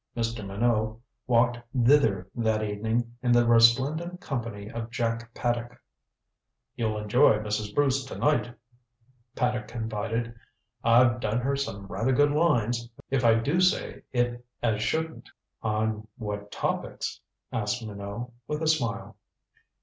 Mr. Minot walked thither that evening in the resplendent company of Jack Paddock. "You'll enjoy Mrs. Bruce to night," Paddock confided. "I've done her some rather good lines, if I do say it as shouldn't." "On what topics?" asked Minot, with a smile.